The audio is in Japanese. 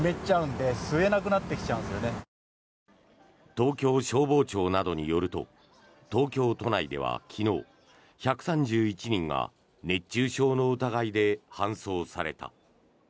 東京消防庁などによると東京都内では昨日１３１人が熱中症の疑いで搬送された。